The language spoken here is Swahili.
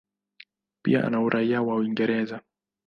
Pia ana uraia wa Uingereza.